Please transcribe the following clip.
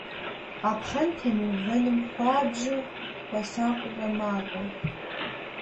Къапхъэн темыувэным хуабжьу хуэсакъыурэ макӀуэ.